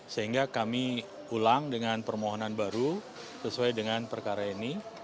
sehingga kami ulang dengan permohonan baru sesuai dengan perkara ini